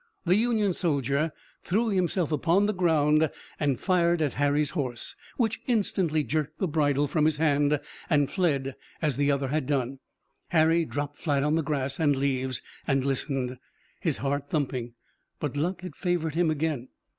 The Union soldier threw himself upon the ground and fired at Harry's horse, which instantly jerked the bridle from his hand and fled as the other had done. Harry dropped flat in the grass and leaves and listened, his heart thumping. But luck had favored him again.